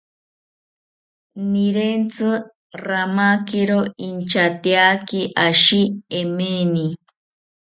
Nirentzi ramakiro intyateyaki ashi emeni